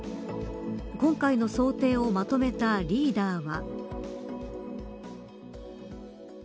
今回の想定をまとめたリーダーは。